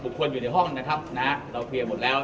คนอยู่ในห้องนะครับนะฮะเราเคลียร์หมดแล้ว